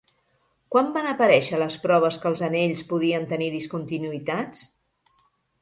Quan van aparèixer les proves que els anells podien tenir discontinuïtats?